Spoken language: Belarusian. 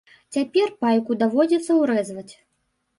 Цяпер пайку даводзіцца ўрэзваць.